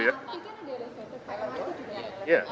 lrt juga berarti